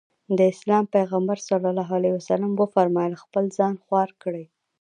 د اسلام پيغمبر ص وفرمايل خپل ځان خوار کړي.